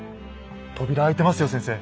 扉開いてますよ先生。